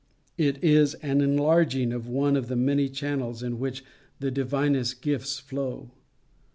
It is an enlarging of one of the many channels in which the divinest gifts flow.